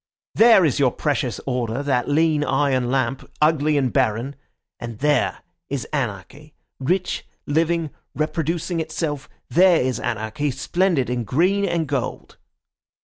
There is your precious order, that lean, iron lamp, ugly and barren; and there is anarchy, rich, living, reproducing itself—there is anarchy, splendid in green and gold."